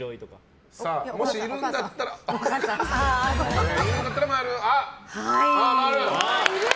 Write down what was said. もしいるんだったら○を。